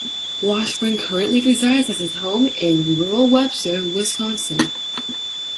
Washburn currently resides at his home in rural Webster, Wisconsin.